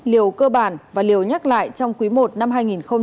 liều cơ bản và liều nhắc lại trong quý i năm hai nghìn hai mươi